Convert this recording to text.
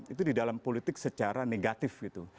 itu di dalam politik secara negatif gitu